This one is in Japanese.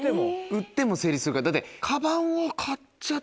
売っても成立するから。